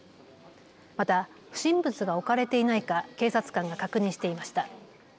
また不審物が置かれていないか警察官が確認していました。